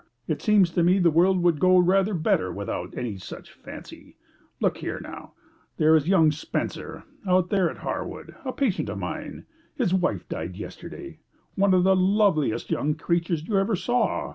It seems to me the world would go rather better without any such fancy. Look here now: there is young Spenser out there at Harwood a patient of mine. His wife died yesterday one of the loveliest young creatures you ever saw.